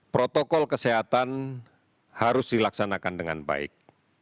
protokol kesehatan harus dilaksanakan dengan baik